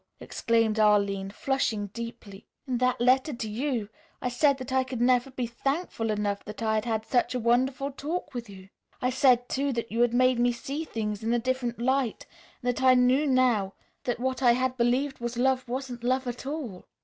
exclaimed Arline, flushing deeply. "In that letter to you I said that I could never be thankful enough that I had had such a wonderful talk with you. I said, too, that you had made me see things in a different light and that I knew now that what I had believed was love wasn't love at all.